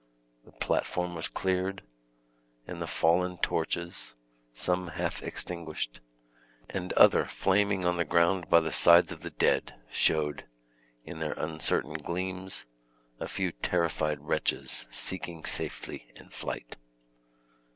The platform was cleared, and the fallen torches, some half extinguished, and other flaming on the ground by the sides of the dead, showed, in their uncertain gleams, a few terrified wretches seeking safely in flight.